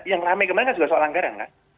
yang lami kemarin kan juga soal anggaran